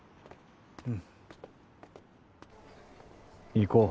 行こう。